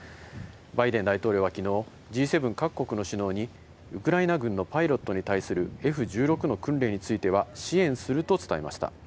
バイデン大統領はきのう、Ｇ７各国の首脳に、ウクライナ軍のパイロットに対するＦ１６の訓練については支援すると伝えました。